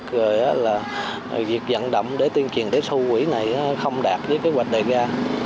rồi là việc dẫn động để tiên truyền để thu quỹ này không đạt với kế hoạch đề ra